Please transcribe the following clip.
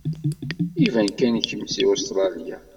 Iban kan kemm seg Ustṛalya.